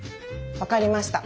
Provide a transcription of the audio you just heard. わかりました。